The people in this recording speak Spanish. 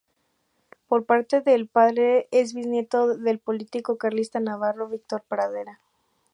Por parte de padre es biznieto del político carlista navarro Víctor Pradera.